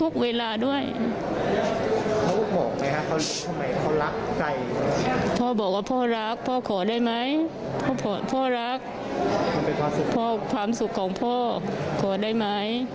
ความสุขของพ่อขอได้ไหม